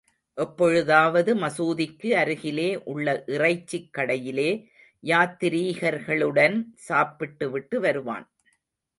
எப்பொழுதாவது மசூதிக்கு அருகிலே உள்ள இறைச்சிக் கடையிலே யாத்திரீகர்களுடன் சாப்பிட்டு விட்டு வருவான்.